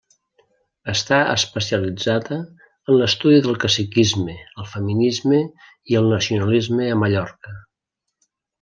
Està especialitzada en l'estudi del caciquisme, el feminisme i el nacionalisme a Mallorca.